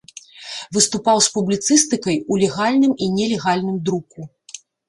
Выступаў з публіцыстыкай у легальным і нелегальным друку.